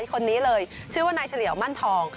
คนนี้เลยชื่อว่านายเฉลี่ยวมั่นทอง